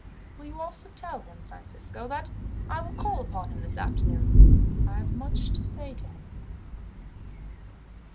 "Will you also tell him, Francisco, that I will call upon him this afternoon. I have much to say to him."